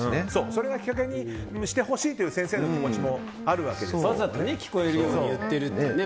それをきっかけにしてほしいという先生の気持ちもわざと聞こえるように言ってるってね。